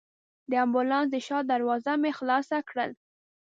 د امبولانس د شا دروازه مې خلاصه کړل.